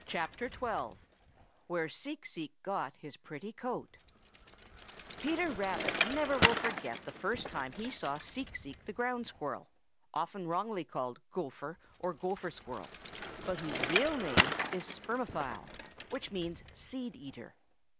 Page 172.] XII WHERE SEEK SEEK GOT HIS PRETTY COAT Peter Rabbit never will forget the first time he saw Seek Seek the Ground Squirrel, often wrongly called Gopher or Gopher Squirrel, but whose real name is Spermophile, which means seed eater.